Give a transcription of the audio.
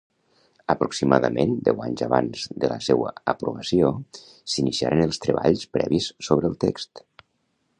Aproximadament deu anys abans de la seua aprovació s'iniciaren els treballs previs sobre el text.